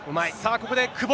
ここで久保。